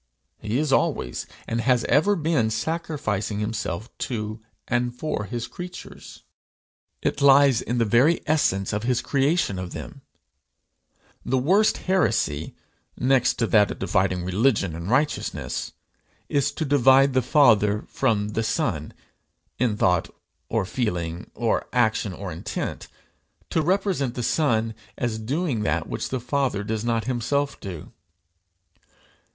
He is always, and has ever been, sacrificing himself to and for his creatures. It lies in the very essence of his creation of them. The worst heresy, next to that of dividing religion and righteousness, is to divide the Father from the Son in thought or feeling or action or intent; to represent the Son as doing that which the Father does not himself do.